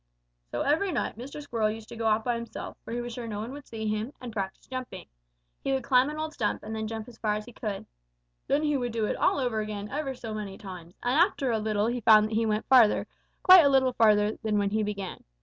"So every night Mr. Squirrel used to go off by himself, where he was sure no one would see him, and practise jumping. He would climb an old stump and then jump as far as he could. Then he would do it all over again ever so many times, and after a little he found that he went farther, quite a little farther, than when he began.